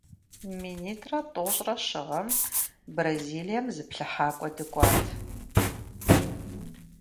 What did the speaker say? Минитӏрэ тӏощӏрэ щы гъэм Бразилием зыплъыхьакӏуэ дыкӏуат.